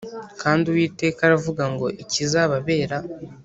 Kandi Uwiteka aravuga ngo ikizababera